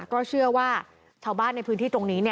ก็เชื่อว่าชาวบ้านในพื้นที่ตรงนี้